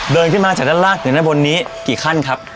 เดินขึ้นมาจากด้านล่างอยู่ด้านบนนี้กี่ขั้นครับ